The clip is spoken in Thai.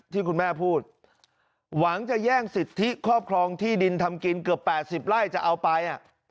ที่คุณแม่พูดหวังจะแย่งสิทธิครอบครองที่ดินทำกินเกือบ๘๐ไร่จะเอาไป